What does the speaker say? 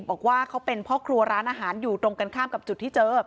บอกว่าเขาเป็นพ่อครัวร้านอาหารอยู่ตรงกันข้ามกับจุดที่เจอ